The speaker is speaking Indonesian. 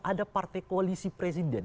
ada partai koalisi presiden